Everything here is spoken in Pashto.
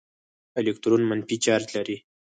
الکترون منفي چارج لري.